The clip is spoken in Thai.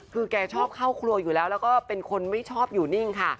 คือแกชอบเข้าครัวอยู่แล้วแล้วก็เป็นคนไม่ชอบอยู่นิ่งค่ะ